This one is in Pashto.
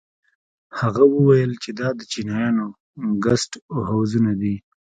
هغه وويل چې دا د چينايانو ګسټ هوزونه دي.